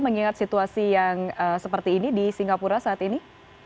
mengingat situasi yang seperti ini di singapura saat ini